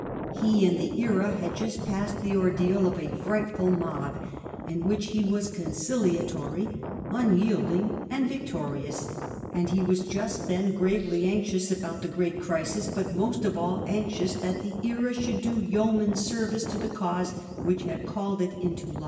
He and t\\QEra had just passed the ordeal of a fright ful mob, in which he was conciliatory, unyielding and victorious; and he was just then gravely anxious about the great crisis, but most of all anxious that the Era should do yoeman service to the cause which had called it into life.